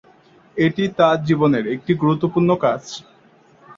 এটি তাঁর জীবনের একটি গুরুত্বপূর্ণ কাজ।